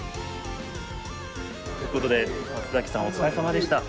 ということで松崎さんお疲れさまでした。